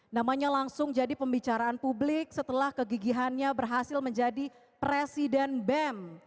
namanya langsung jadi pembicaraan publik setelah kegigihannya berhasil menjadi presiden bem